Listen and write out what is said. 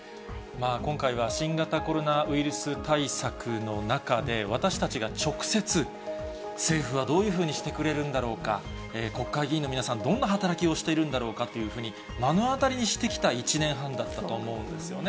今回は新型コロナウイルス対策の中で、私たちが直接、政府はどういうふうにしてくれるんだろうか、国会議員の皆さん、どんな働きをしているんだろうかというふうに、目の当たりにしてきた１年半だったと思うんですよね。